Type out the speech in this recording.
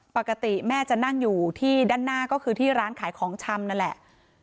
ปกติแม่จะนั่งอยู่ที่ด้านหน้าก็คือที่ร้านขายของชำนั่นแหละ